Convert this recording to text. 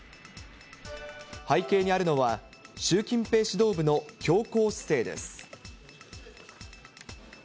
背景にあるのは、習近平指導部の強硬姿勢です。